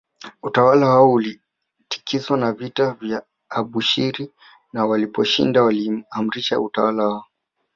Utawala wao ulitikiswa na vita ya Abushiri na waliposhinda waliimaarisha utawala wao